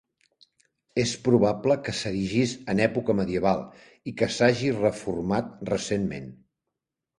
És probable que s'erigís en època medieval i que s'hagi reformat recentment.